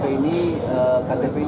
ktp ini sudah invalid